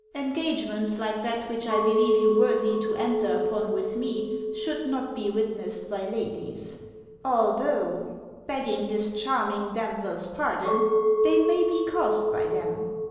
Engagements like that which I believe you worthy to enter upon with me should not be witnessed by ladies, although — begging this charming damsel's pardon — they may be caused by them.